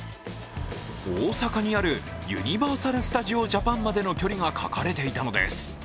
大阪にあるユニバーサル・スタジオ・ジャパンまでの距離が書かれていたのです。